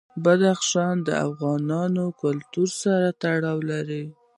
بدخشان د افغان کلتور سره تړاو لري.